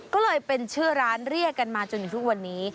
ก็เลยเป็นชื่อร้านเรียกกันมาจนถึงทุกวันนี้